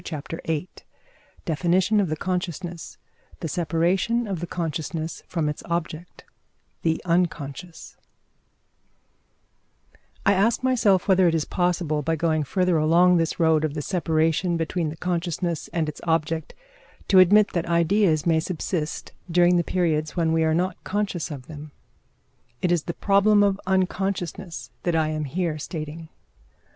] CHAPTER VIII DEFINITION OF THE CONSCIOUSNESS THE SEPARATION OF THE CONSCIOUSNESS FROM ITS OBJECT THE UNCONSCIOUS I ask myself whether it is possible, by going further along this road of the separation between the consciousness and its object, to admit that ideas may subsist during the periods when we are not conscious of them. It is the problem of unconsciousness that I am here stating.